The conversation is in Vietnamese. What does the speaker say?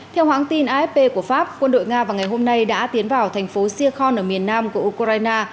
theo hãng tin afp của pháp quân đội nga vào ngày hôm nay đã tiến vào thành phố sikhon ở miền nam của ukraine